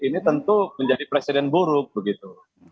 ini tentu menjadi presiden buruk begitu